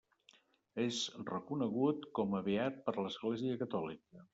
És reconegut com a beat per l'Església Catòlica.